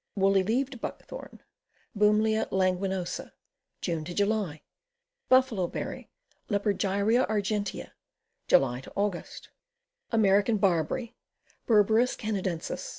Woolly leaved Buckthorn. Bumelia languinosa. June July. Buffalo berry. Lepargyrcea argentea. July Aug. American Barberry. Berberis Canadensis.